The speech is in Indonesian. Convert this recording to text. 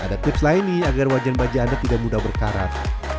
ada tips lain nih agar wajan baja anda tidak mudah berkarat